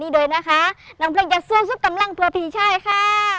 ด้วยนะคะหนังเพลงกับสู้ชุดกำลังพัวพีช่ายค่ะ